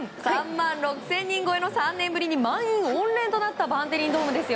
３万６０００人超えの３年ぶりに満員御礼となったバンテリンドーム。